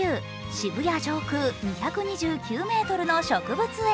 渋谷上空２２９ｍの植物園。